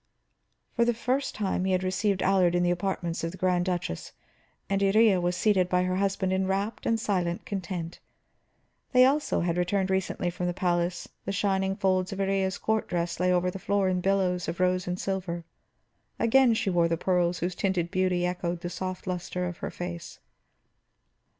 For the first time he had received Allard in the apartments of the Grand Duchess, and Iría was seated by her husband in rapt and silent content. They also had returned recently from the palace; the shining folds of Iría's court dress lay over the floor in billows of rose and silver; again she wore the pearls whose tinted beauty echoed the soft luster of her face.